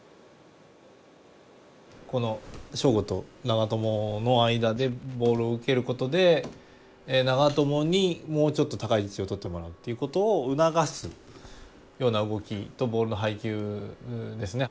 この彰悟と長友の間でボールを受けることで長友にもうちょっと高い位置をとってもらうっていうことを促すような動きとボールの配球ですね。